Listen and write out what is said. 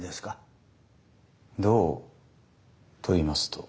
どうといいますと？